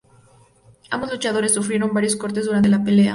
Ambos luchadores sufrieron varios cortes durante la pelea.